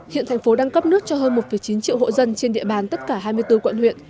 hiện thành phố đang cấp nước cho hơn một chín triệu hộ dân trên địa bàn tất cả hai mươi bốn quận huyện